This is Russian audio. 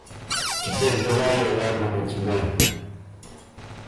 Теперь давай я лягу на тебя.